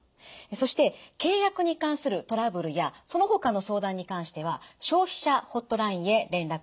そして契約に関するトラブルやそのほかの相談に関しては消費者ホットラインへ連絡してください。